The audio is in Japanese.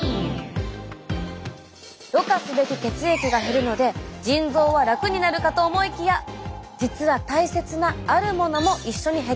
ろ過すべき血液が減るので腎臓は楽になるかと思いきや実は大切なあるものも一緒に減ってしまうんです。